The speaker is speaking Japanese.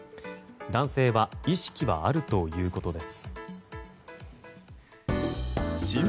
男性は意識はあるということです。